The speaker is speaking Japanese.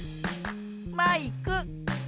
マイク。